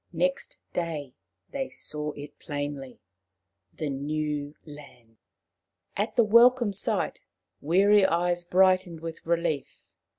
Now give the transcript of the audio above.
Next day they saw it plainly — the new land. At the welcome sight weary eyes brightened with relief.